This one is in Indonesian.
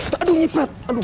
aduh nyiprat aduh